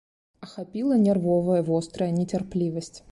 Ахапіла нервовая вострая нецярплівасць.